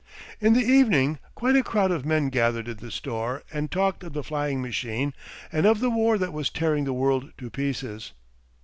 In the evening quite a crowd of men gathered in the store and talked of the flying machine and of the war that was tearing the world to pieces.